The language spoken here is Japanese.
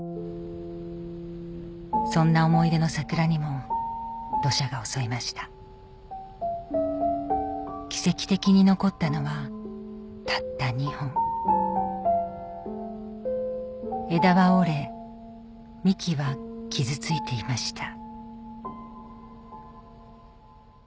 そんな思い出の桜にも土砂が襲いました奇跡的に残ったのはたった２本枝は折れ幹は傷ついていました